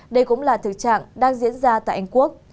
đây cũng là thực trạng đang diễn ra tại anh quốc